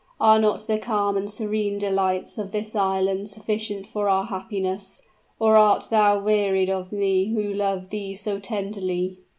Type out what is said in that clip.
Are not the calm and serene delights of this island sufficient for our happiness? or art thou wearied of me who love thee so tenderly?"